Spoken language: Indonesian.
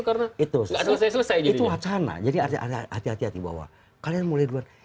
karena tidak selesai selesai itu wacana jadi hati hati bahwa kalian mulai duluan